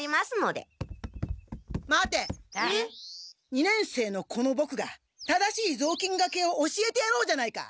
二年生のこのボクが正しいぞうきんがけを教えてやろうじゃないか！